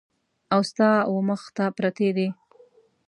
او ستا ومخ ته پرتې دي !